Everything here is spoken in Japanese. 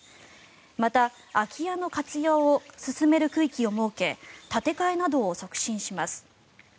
また、空き家の活用を進める区域を設け建て替えなどを促進します。